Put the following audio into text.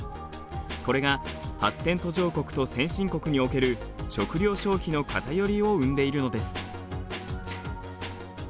これが発展途上国と先進国における食料消費の偏りを生んでいるのです。